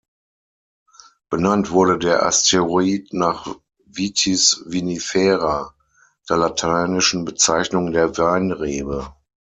Benannt wurde der Asteroid nach "Vitis vinifera", der lateinischen Bezeichnung der Weinrebe.